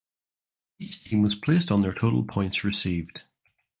Each team was placed on their total points received.